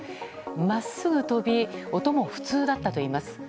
真っすぐ飛び音も普通だったといいます。